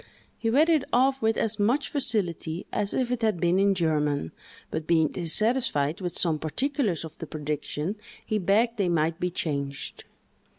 He read it off with as much facility as if it had been in German, but being dissatisfied with some particulars of the prediction, he begged they might be changed.